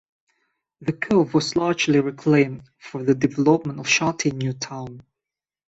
The cove was largely reclaimed for the development of Sha Tin New Town.